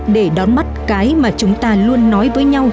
để đón bắt cái mà chúng ta luôn nói với nhau